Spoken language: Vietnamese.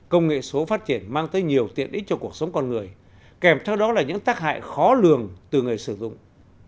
công nghệ số phát triển mang tới nhiều tiện ích cho cuộc sống con người kèm theo đó là những tác hại khó lường từ người sử dụng